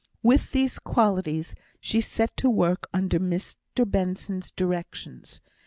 With these qualities, she set to work under Mr Benson's directions.